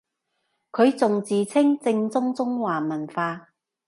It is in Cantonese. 佢仲自稱正宗中華文化